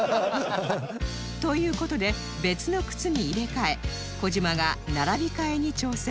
という事で別の靴に入れ替え児嶋が並べ替えに挑戦